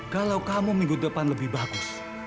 kalau kamu minggu depan lebih bagus